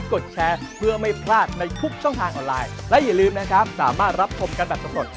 ถ้าเธอไม่ไหวมากอดได้เลยถ้าเธอเรียกหาจะต่อหาเลย